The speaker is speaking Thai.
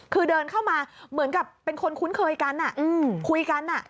คือเดินเข้ามาเหมือนกับเป็นคนคุ้นเคยกันคุยกัน